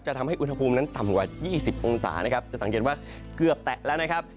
ทำให้อุณหภูมินั้นต่ำกว่า๒๐องศานะครับจะสังเกตว่าเกือบแตะแล้วนะครับ